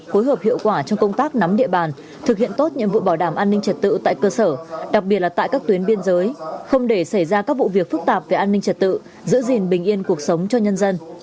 phối hợp hiệu quả trong công tác nắm địa bàn thực hiện tốt nhiệm vụ bảo đảm an ninh trật tự tại cơ sở đặc biệt là tại các tuyến biên giới không để xảy ra các vụ việc phức tạp về an ninh trật tự giữ gìn bình yên cuộc sống cho nhân dân